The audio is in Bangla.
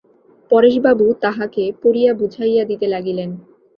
পরেশবাবু তাহাকে পড়িয়া বুঝাইয়া দিতে লাগিলেন।